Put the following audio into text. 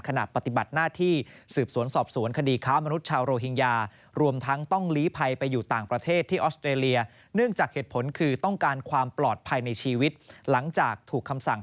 ขณะปฏิบัติหน้าที่สืบสวนสอบสวนขดีข้ามนุษย์ชาวโรฮิงยา